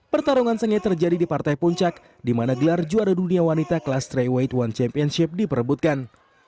pertarungan sengit terjadi di partai puncak di mana gelar juara dunia wanita kelas tiga white one championship diperebutkan